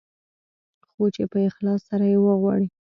خو چې په اخلاص سره يې وغواړې.